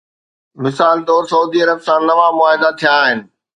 مثال طور سعودي عرب سان نوان معاهدا ٿيا آهن.